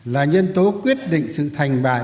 là nhân tố quyết định sự thành bại